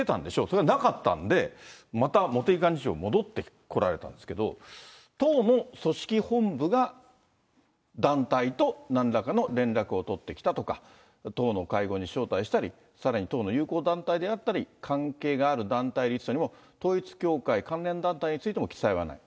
それがなかったんで、また茂木幹事長、戻ってこられたんですけど、党の組織本部が団体となんらかの連絡を取ってきたとか、党の会合に招待したり、さらに党の友好団体であったり、関係がある団体リストにも、統一教会、関連団体についても記載はない。